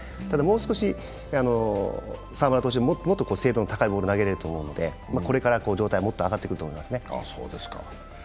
ただ、もう少し精度の高いものは投げれると思うのでこれから状態はもっと上がってくると思いますね。